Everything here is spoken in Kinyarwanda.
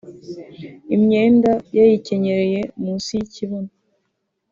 imyenda yayicyenyereye munsi y’ikibuno